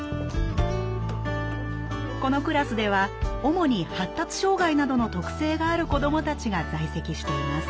このクラスでは主に発達障害などの特性がある子どもたちが在籍しています。